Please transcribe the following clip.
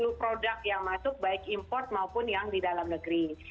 dikumpulkan untuk baik import maupun yang di dalam negeri